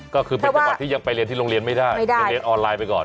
ก็คือเป็นจังหวัดที่ยังไปเรียนที่โรงเรียนไม่ได้ยังเรียนออนไลน์ไปก่อน